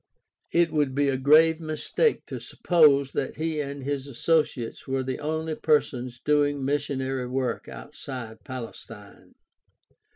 It would be a grave mistake to suppose that he and his associates were the only persons doing missionary work outside Palestine.